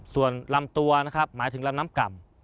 ส่วนลำตัวนะครับหมายถึงลำน้ำก่ำ